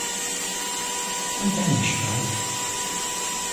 Anta i yecfan?